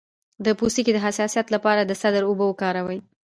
د پوستکي د حساسیت لپاره د سدر اوبه وکاروئ